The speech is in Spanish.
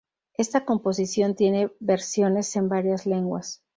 Esta composición tiene versiones en varias lenguas.